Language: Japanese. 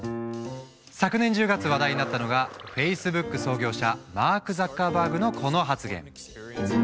昨年１０月話題になったのがフェイスブック創業者マーク・ザッカーバーグのこの発言。